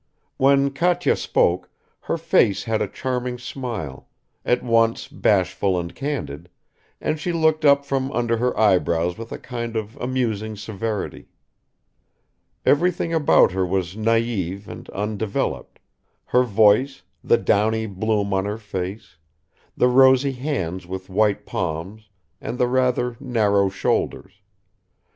When Katya spoke, her face had a charming smile, at once bashful and candid, and she looked up from under her eyebrows with a kind of amusing severity. Everything about her was naive and undeveloped, her voice, the downy bloom on her face, the rosy hands with white palms and the rather narrow shoulders